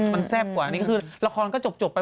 มันแทบกว่านี่คือละครก็จบไป